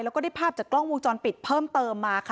แล้วก็ได้ภาพจากกล้องวงจรปิดเพิ่มเติมมาค่ะ